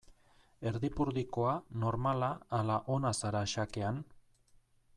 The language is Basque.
Erdipurdikoa, normala ala ona zara xakean?